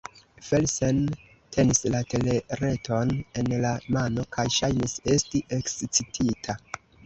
Felsen tenis la telereton en la mano kaj ŝajnis esti ekscitita.